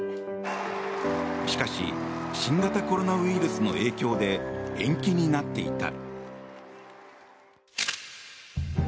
しかし、新型コロナウイルスの影響で延期になっていた。